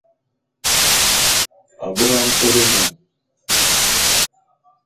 Abogo a nkòt nnam